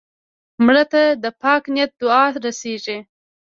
مړه ته د پاک نیت دعا رسېږي